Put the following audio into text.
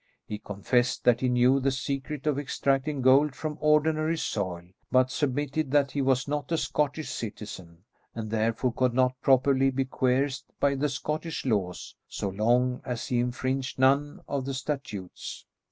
He confessed that he knew the secret of extracting gold from ordinary soil, but submitted that he was not a Scottish citizen and therefore could not properly be coerced by the Scottish laws so long as he infringed none of the statutes.